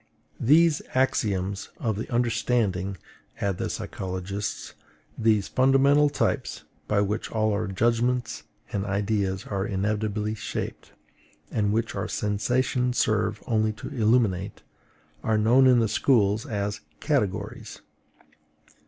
These axioms of the understanding, add the psychologists, these fundamental types, by which all our judgments and ideas are inevitably shaped, and which our sensations serve only to illuminate, are known in the schools as CATEGORIES.